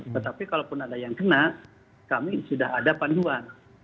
tetapi kalaupun ada yang kena kami sudah ada panduan